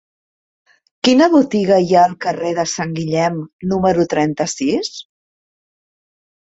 Quina botiga hi ha al carrer de Sant Guillem número trenta-sis?